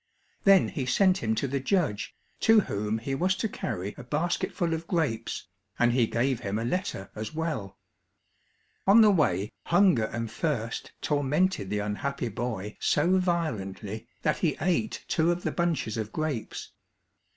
Then he sent him to the judge, to whom he was to carry a basketful of grapes, and he gave him a letter as well. On the way hunger and thirst tormented the unhappy boy so violently that he ate two of the bunches of grapes.